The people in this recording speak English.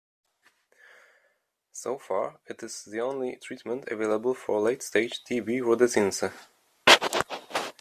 So far, it is the only treatment available for late-stage "T. b. rhodesiense".